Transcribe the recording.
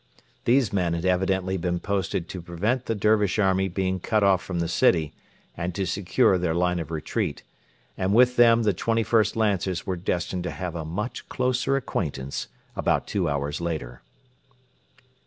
These men had evidently been posted to prevent the Dervish army being cut off from the city and to secure their line of retreat; and with them the 21st Lancers were destined to have a much closer acquaintance about two hours later.